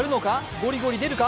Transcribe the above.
ゴリゴリ出るか？